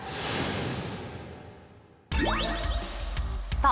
さあ